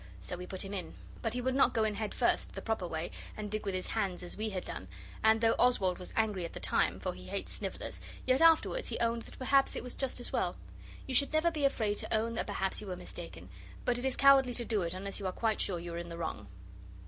So we put him in. But he would not go in head first, the proper way, and dig with his hands as we had done, and though Oswald was angry at the time, for he hates snivellers, yet afterwards he owned that perhaps it was just as well. You should never be afraid to own that perhaps you were mistaken but it is cowardly to do it unless you are quite sure you are in the wrong.